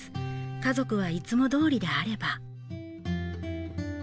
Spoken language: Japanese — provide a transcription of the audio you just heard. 家族はいつも通りであれば。